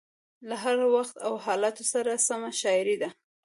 له هر وخت او حالاتو سره سمه شاعري ده.